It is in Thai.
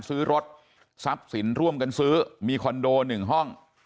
ซื้อรถทรัพย์สินร่วมกันซื้อมีคอนโด๑ห้อง